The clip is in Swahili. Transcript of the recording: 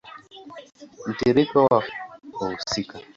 Mtiririko wa wahusika